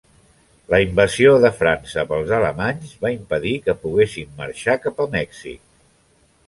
La invasió de França pels alemanys va impedir que poguessin marxar cap a Mèxic.